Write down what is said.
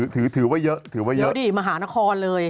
เดี๋ยวดิมาเหมาะหั้นเลย